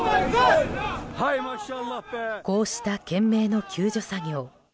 こうした懸命の救助作業。